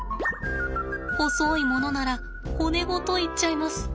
細いものなら骨ごといっちゃいます。